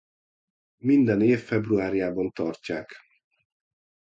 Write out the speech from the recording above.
Minden év februárjában tartják.